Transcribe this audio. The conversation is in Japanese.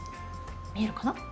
見えるかな？